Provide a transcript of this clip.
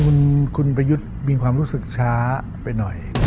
คุณประยุทธ์มีความรู้สึกช้าไปหน่อย